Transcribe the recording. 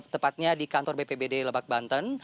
tepatnya di kantor bpbd lebak banten